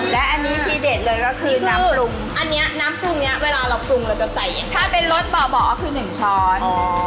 และอันนี้ทีเด็ดเลยก็คือน้ำปรุงอันนี้น้ำปรุงเนี้ยเวลาเราปรุงเราจะใส่ยังไงถ้าเป็นรสเบาะก็คือหนึ่งช้อน